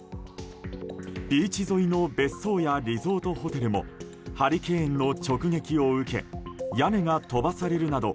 ビーチ沿いの別荘やリゾートホテルもハリケーンの直撃を受け屋根が飛ばされるなど